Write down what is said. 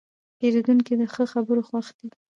پیرودونکی د ښه خبرو خوښ دی.